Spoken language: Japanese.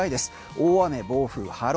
大雨、暴風、波浪